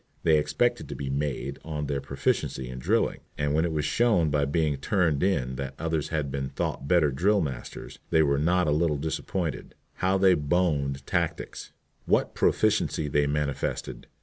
They expected to be "made" on their proficiency in drilling, and when it was shown by being "turned in" that others had been thought better drill masters, they were not a little disappointed. How they "boned" tactics! What proficiency they manifested!